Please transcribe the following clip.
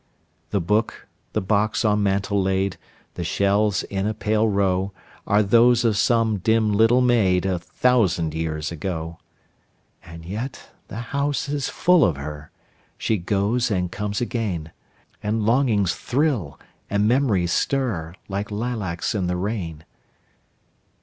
The book, the box on mantel laid, The shells in a pale row, Are those of some dim little maid, A thousand years ago. And yet the house is full of her; She goes and comes again; And longings thrill, and memories stir, Like lilacs in the rain.